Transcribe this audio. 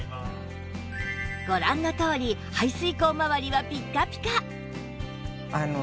ご覧のとおり排水口まわりはピッカピカ！